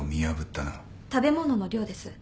食べ物の量です。